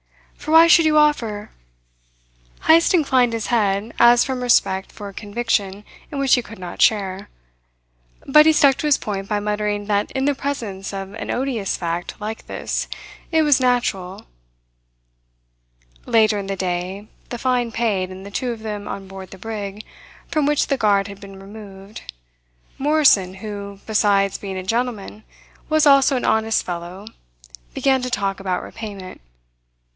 For why should you offer " Heyst inclined his head, as from respect for a conviction in which he could not share. But he stuck to his point by muttering that in the presence of an odious fact like this, it was natural Later in the day, the fine paid, and the two of them on board the brig, from which the guard had been removed, Morrison who, besides, being a gentleman was also an honest fellow began to talk about repayment.